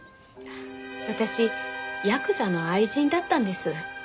私ヤクザの愛人だったんです。